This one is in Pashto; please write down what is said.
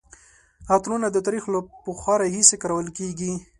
عطرونه د تاریخ له پخوا راهیسې کارول کیږي.